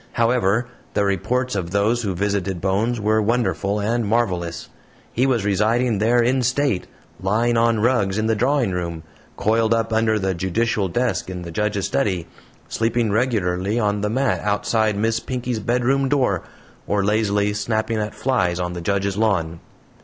However, the reports of those who visited Bones were wonderful and marvelous. He was residing there in state, lying on rugs in the drawing room, coiled up under the judicial desk in the judge's study, sleeping regularly on the mat outside Miss Pinkey's bedroom door, or lazily snapping at flies on the judge's lawn.